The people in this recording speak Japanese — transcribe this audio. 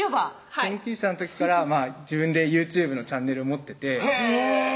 研究者の時から自分でＹｏｕＴｕｂｅのチャンネルを持っててへぇ！